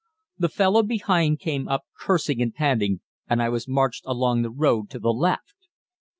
The fellow behind came up cursing and panting, and I was marched along the road to the left.